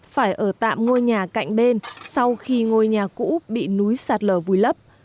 phải ở tạm ngôi nhà cạnh bên sau khi ngôi nhà cũ bị núi sạt lở vùi lấp